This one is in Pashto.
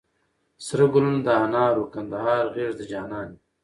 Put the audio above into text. سره ګلونه د انارو، کندهار غېږ د جانان مي